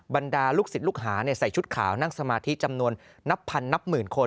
บรรดาลูกศิษย์ลูกหาใส่ชุดขาวนั่งสมาธิจำนวนนับพันนับหมื่นคน